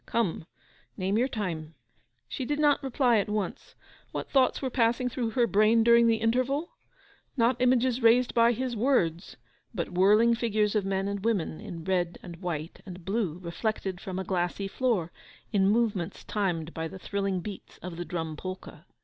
Come, name your time.' She did not reply at once. What thoughts were passing through her brain during the interval? Not images raised by his words, but whirling figures of men and women in red and white and blue, reflected from a glassy floor, in movements timed by the thrilling beats of the Drum Polka.